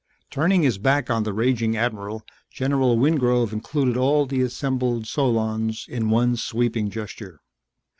Turning his back on the raging admiral, General Wingrove included all the assembled solons in one sweeping gesture.